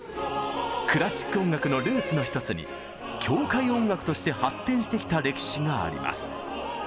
クラシック音楽のルーツの一つに教会音楽として発展してきた歴史があります。